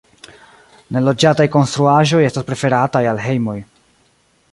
Neloĝataj konstruaĵoj estas preferataj al hejmoj.